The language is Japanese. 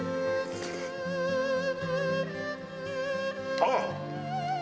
あっ！